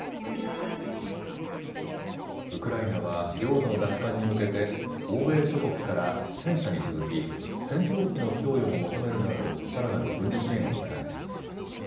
ウクライナは領土の奪還に向けて欧米諸国から戦車に続き戦闘機の供与も求めるなどさらなる軍事支援を訴えています。